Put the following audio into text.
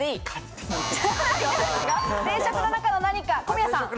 ピンポン定食の中の何か小宮さん。